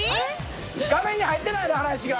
画面に入ってないな原西が。